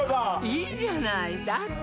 いいじゃないだって